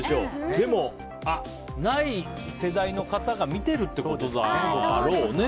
でも、ない世代の方が見てるってことだろうね。